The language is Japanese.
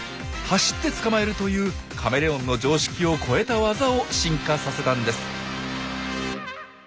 走って捕まえるというカメレオンの常識を超えた技を進化させたんです。